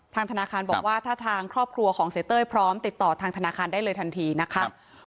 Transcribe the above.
ธนาคารบอกว่าถ้าทางครอบครัวของเสียเต้ยพร้อมติดต่อทางธนาคารได้เลยทันทีนะคะ